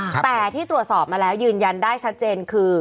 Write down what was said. แต่ที่ตรวจสอบมาแล้วยืนยันได้ชัดเจนคือ